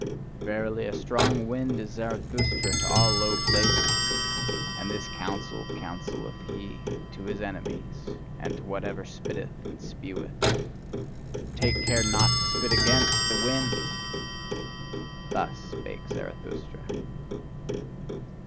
Verily, a strong wind is Zarathustra to all low places; and this counsel counselleth he to his enemies, and to whatever spitteth and speweth: "Take care not to spit AGAINST the wind!" Thus spake Zarathustra.